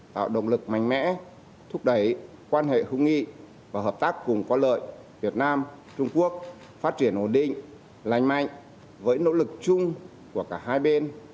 tạo động lực mạnh mẽ thúc đẩy quan hệ hữu nghị và hợp tác cùng có lợi việt nam trung quốc phát triển ổn định lành mạnh với nỗ lực chung của cả hai bên